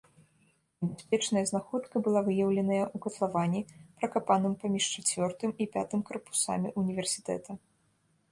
Небяспечная знаходка была выяўленая ў катлаване, пракапаным паміж чацвёртым і пятым карпусамі універсітэта.